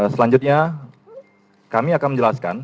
selanjutnya kami akan menjelaskan